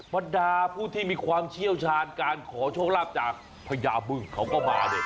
พระราชศาสตร์ผู้ที่มีความเชี่ยวชาญการขอโชคลับจากพระยาบึงเขาก็มา